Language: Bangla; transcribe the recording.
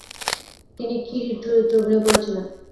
তিনি ক্ষীরির চরিত্রে অভিনয় করেছিলেন।